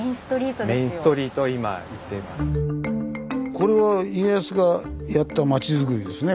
これは家康がやった町づくりですね。